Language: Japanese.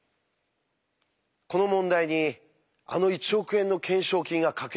この問題にあの１億円の懸賞金がかけられてるんです。